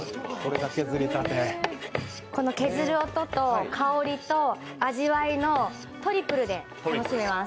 この削る音と香る音と味わいのトリプルで楽しめます。